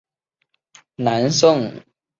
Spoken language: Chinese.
南宋灭后不仕。